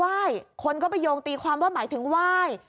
คนก็ไปโยงตีความว่าหมายถึงไหว้